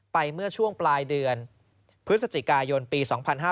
เมื่อช่วงปลายเดือนพฤศจิกายนปี๒๕๕๙